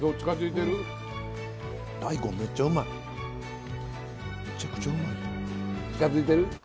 近づいてる？